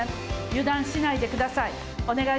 油断しないでください。